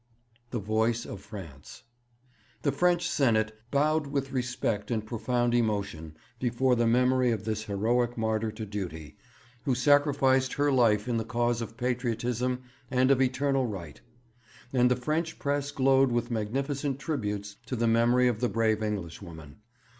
THE VOICE OF FRANCE The French Senate 'bowed with respect and profound emotion before the memory of this heroic martyr to duty, who sacrificed her life in the cause of patriotism and of eternal right'; and the French press glowed with magnificent tributes to the memory of the brave Englishwoman.